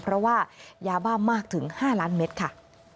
เพราะว่ายาบ้ามากถึง๕ล้านเมตรค่ะ